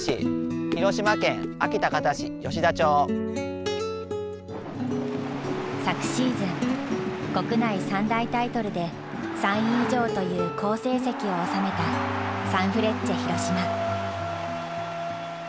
広島県安芸高田市吉田町。昨シーズン国内３大タイトルで３位以上という好成績を収めたサンフレッチェ広島。